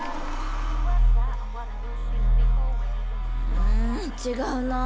うん違うなぁ。